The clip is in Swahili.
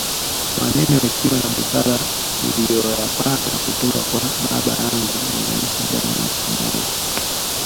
Maneno ya hekima na busara niliyoyapata kutoka kwa baba yangu yanaishi ndani ya moyo